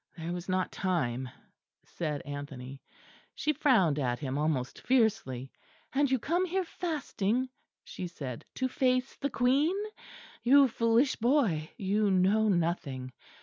"There was not time," said Anthony. She frowned at him almost fiercely. "And you come here fasting," she said, "to face the Queen! You foolish boy; you know nothing.